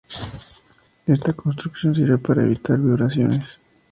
Esta construcción sirve para evitar vibraciones.